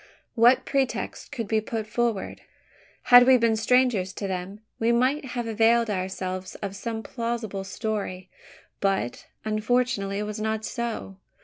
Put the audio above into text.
What pretext could be put forward? Had we been strangers to them, we might have availed ourselves of some plausible story; but, unfortunately, it was not so.